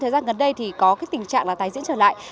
thời gian gần đây thì có tình trạng là tài diễn trở lại